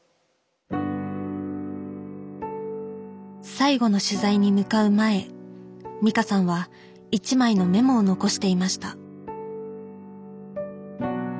最後の取材に向かう前美香さんは一枚のメモを残していました